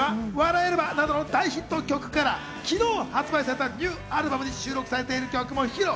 ライブでは『笑えれば』などの大ヒット曲から昨日発売されたニューアルバムに収録されている曲も披露。